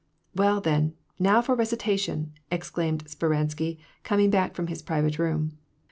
" Well, then, now for a recitation !" exclaimed Speransky, coming back from his private room.